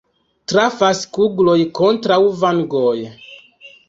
Trafas kugloj kontraŭ vangoj.